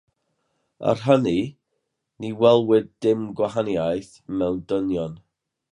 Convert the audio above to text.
Er hynny ni welwyd dim gwahaniaeth mewn dynion.